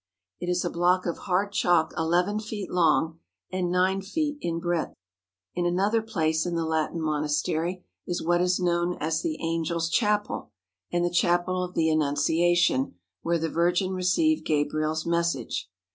It is a block of hard chalk eleven feet long and nine feet in breadth. In another place in the Latin monastery is what is known as the Angel's Chapel and the Chapel of the Annunciation, where the Virgin received Ga briel's message.